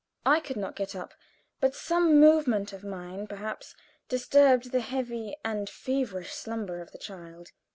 I could not get up, but some movement of mine, perhaps, disturbed the heavy and feverish slumber of the child.